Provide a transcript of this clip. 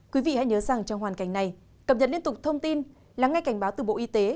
quý vị hãy nhớ rằng trong hoàn cảnh này cập nhật liên tục thông tin lắng nghe cảnh báo từ bộ y tế